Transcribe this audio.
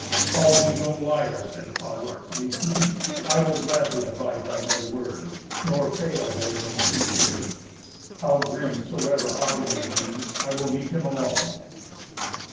"Call me no liar," said Hawart's liegeman. "I will gladly abide by my word, nor fail therein through fear. How grim soever Hagen may be, I will meet him alone."